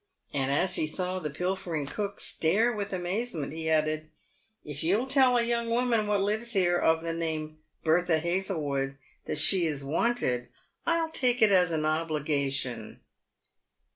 And as he saw the pilfering cook stare with amazement, he added, " If you'll tell a young woman what lives here, of the name of Bertha Hazlewood, that she is wanted, I'll take it as a obligation."